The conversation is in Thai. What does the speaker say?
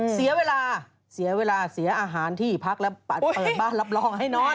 เสียเวลาเสียเวลาเสียอาหารที่พักแล้วเปิดบ้านรับรองให้นอน